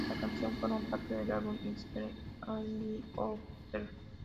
La canción forma parte del álbum "Is There Anybody Out There?